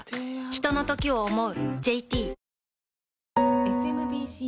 ひとのときを、想う。